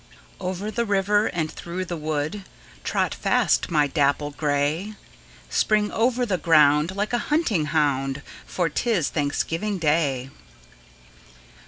Over the river, and through the wood, Trot fast, my dapple grey! Spring over the ground, Like a hunting hound, For 't is Thanksgiving Day!